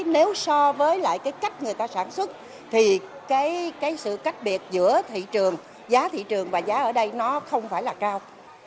nếu so với lại cái cách người ta sản xuất thì cái sự cách biệt giữa thị trường giá thị trường và giá ở đây nó không phải là cao